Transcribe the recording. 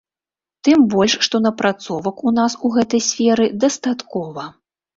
Тым больш што напрацовак у нас у гэтай сферы дастаткова.